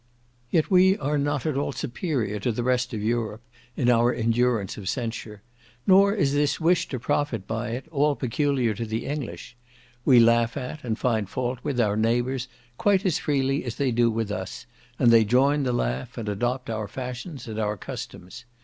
Yet we are not at all superior to the rest of Europe in our endurance of censure, nor is this wish to profit by it all peculiar to the English; we laugh at, and find fault with, our neighbours quite as freely as they do with us, and they join the laugh, and adopt our fashions and our customs.